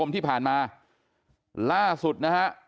ที่ผ่านมาล่าสุดนะฮะ